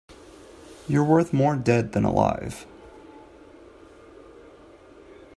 You're worth more dead than alive.